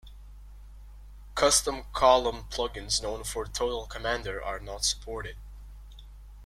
Custom column plugins known from Total Commander are not supported.